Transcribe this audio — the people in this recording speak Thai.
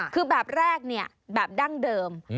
คือแบบแรกเนี่ยแบบดั้งเดิม